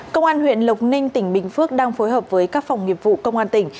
công an huyện lộc ninh tỉnh bình phước đang phối hợp với các phòng nghiệp vụ công an tỉnh